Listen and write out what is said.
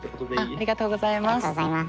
ありがとうございます。